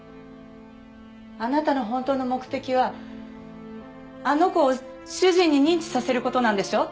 あなたの本当の目的はあの子を主人に認知させる事なんでしょ？